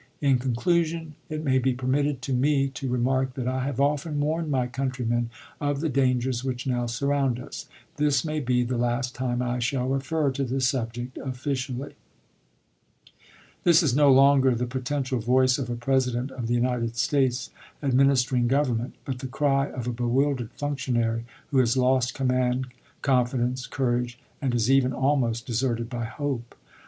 .. In conclusion it may be permitted to jj^8!8^ me to remark that I have often warned my countrymen " Globe," of the dangers which now surround us. This may be the p. 295. last time I shall refer to the subject officially. This is no longer the potential voice of a Presi dent of the United States administering govern ment, but the cry of a bewildered functionary who has lost command, confidence, courage, and is even almost deserted by hope.